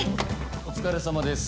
お疲れさまです。